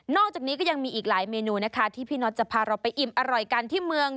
อกจากนี้ก็ยังมีอีกหลายเมนูนะคะที่พี่น็อตจะพาเราไปอิ่มอร่อยกันที่เมือง